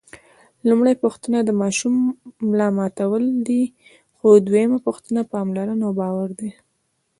لومړۍ پوښتنه د ماشوم ملامتول دي، خو دویمه پوښتنه پاملرنه او باور دی.